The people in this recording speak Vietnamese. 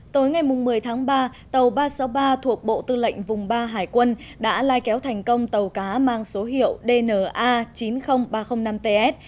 tối ngày một mươi tháng ba tàu ba trăm sáu mươi ba thuộc bộ tư lệnh vùng ba hải quân đã lai kéo thành công tàu cá mang số hiệu dna chín mươi nghìn ba trăm linh năm ts